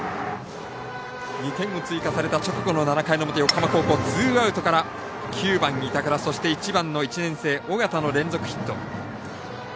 ２点を追加された直後の７回の表横浜高校、ツーアウトから９番、板倉、そして１番の１年生、緒方の連続ヒット。